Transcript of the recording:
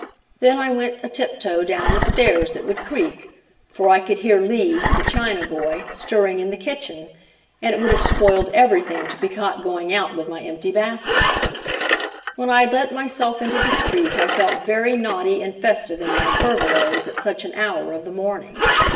Then I went a tiptoe down the stairs that would creak, for I could hear Lee, the China boy, stirring in the kitchen, and it would have spoiled everything to be caught going out with my empty basket. When I had let myself into the street I felt very naughty and festive in my furbelows at such an hour of the morning.